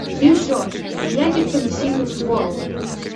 І ўсё, ніякіх камісійных збораў!